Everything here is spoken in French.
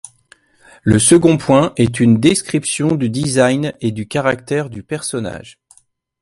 Le second point est un description du design et du caractère du personnage.